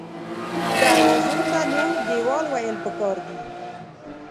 دروازو ته نور دیوال ویل پکار دې